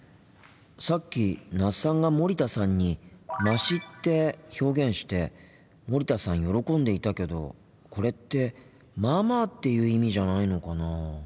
さっき那須さんが森田さんに「まし」って表現して森田さん喜んでいたけどこれって「まあまあ」っていう意味じゃないのかなあ。